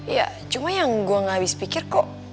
ya cuma yang gue gak habis pikir kok